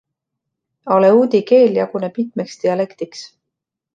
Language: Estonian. Aleuudi keel jaguneb mitmeks dialektiks.